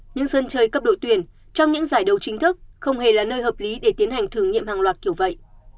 những sân chơi cấp đội tuyển trong những giải đấu chính thức không hề là nơi hợp lý để tiến hành thử nghiệm hàng loạt kiểu vậy